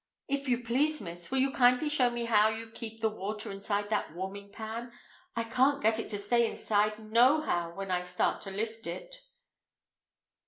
"If you please, miss, will you kindly show me how you keep the water inside that warming pan? I can't get it to stay inside nohow when I start to lift it!"